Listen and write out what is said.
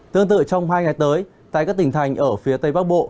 tương tự trong hai ngày tới tại các tỉnh thành ở phía tây bắc bộ